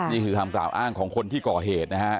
นี่คือคำกล่าวอ้างของคนที่ก่อเหตุนะฮะ